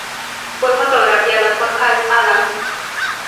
Fue fotografiada por Hal Adams.